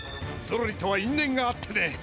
ゾロリとはいんねんがあってね。